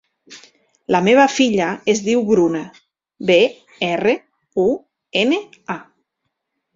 La meva filla es diu Bruna: be, erra, u, ena, a.